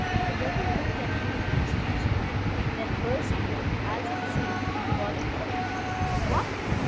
The woman looked at me in astonishment, then burst forth, as it seemed, involuntarily, "What!